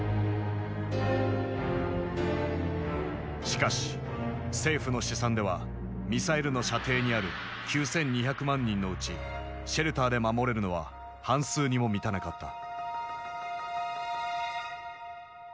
しかし政府の試算ではミサイルの射程にある９，２００万人のうちシェルターで守れるのは半数にも満たなかった。